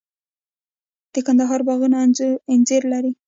د کندهار باغونه انځر لري.